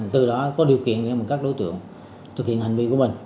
từ đó có điều kiện để các đối tượng thực hiện hành vi của mình